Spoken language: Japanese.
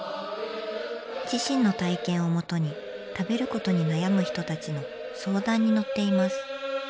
自身の体験を基に食べることに悩む人たちの相談に乗っています。